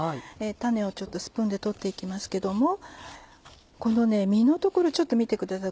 種をちょっとスプーンで取って行きますけどもこの実の所ちょっと見てください。